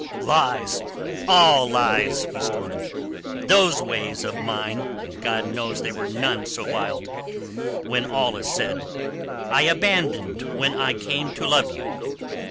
"Lies—all lies!" he stormed. "Those ways of mine—and God knows they were none so wild, when all is said—I abandoned when I came to love you.